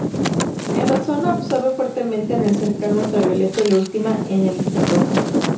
El ozono absorbe fuertemente en el cercano ultravioleta y la última en el infrarrojo.